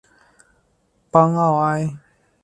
邦奥埃。